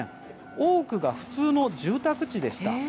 多くが普通の住宅地でした。